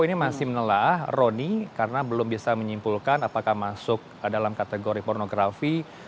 ini masih menelah roni karena belum bisa menyimpulkan apakah masuk dalam kategori pornografi